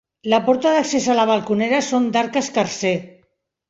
La porta d'accés i la balconera són d'arc escarser.